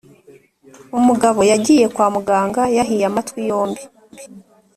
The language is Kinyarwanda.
umugabo yagiye kwa muganga yahiye amatwi yombi